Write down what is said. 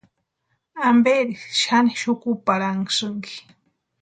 ¿Amperi xani xukuparhasïnki?